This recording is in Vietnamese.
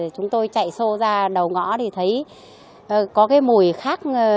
chúng tôi chạy sô ra đầu ngõ thì thấy có cái mùi khác